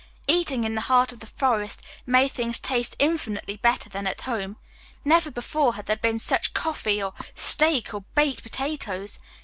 Eating in the heart of the forest made things taste infinitely better than at home. Never before had there been such coffee, or steak, or baked potatoes!